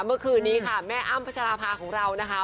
เมื่อคืนนี้ค่ะแม่อ้ำพัชราภาของเรานะคะ